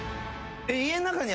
・家の中に。